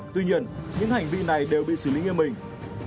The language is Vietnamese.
tuy nhiên những hành vi này đều bị xử lý nghiêm minh